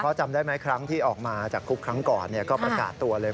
เขาจำได้ไหมครั้งที่ออกมาจากคุกครั้งก่อนก็ประกาศตัวเลย